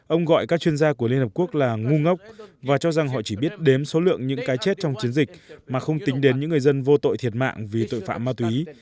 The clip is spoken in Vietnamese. ông gọi các chuyên gia của liên hợp quốc là ngu ngốc và cho rằng họ chỉ biết đếm số lượng những cái chết trong chiến dịch mà không tính đến những người dân vô tội thiệt mạng vì tội phạm ma túy